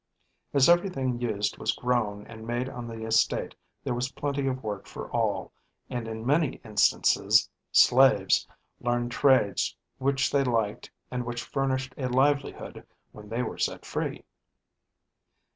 As everything used was grown and made on the estate there was plenty of work for all and in many instances [HW: slaves] learned trades which they liked and which furnished a livelihood when they were set free.